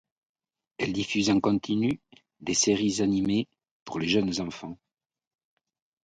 Elle diffuse en continu des séries animées pour les jeunes enfants.